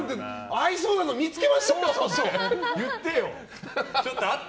合いそうなの見つけましたよ！って。